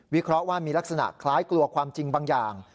เคราะห์ว่ามีลักษณะคล้ายกลัวความจริงบางอย่าง